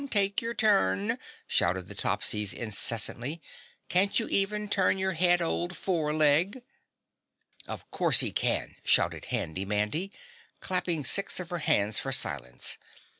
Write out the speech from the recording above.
Take your turn!" shouted the Topsies incessantly. "Can't you even turn your head old four leg!" "Of course he can," shouted Handy Mandy, clapping six of her hands for silence.